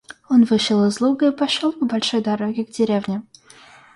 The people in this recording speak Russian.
Он вышел из луга и пошел по большой дороге к деревне.